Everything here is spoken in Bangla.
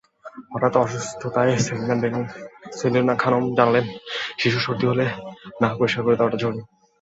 হঠাৎ অসুস্থতায়সেলিনা খানম জানালেন, শিশুর সর্দি হলে নাক পরিষ্কার করে দেওয়াটা জরুরি।